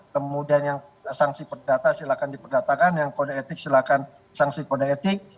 kemudian yang sanksi perdata silahkan diperdatakan yang kode etik silakan sanksi kode etik